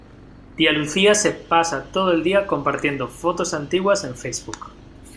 Tía Lucía se pasa todo el día compartiendo fotos antiguas en Facebook.